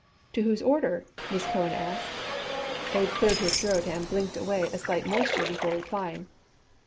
"To whose order?" Miss Cohen asked. Abe cleared his throat and blinked away a slight moisture before replying.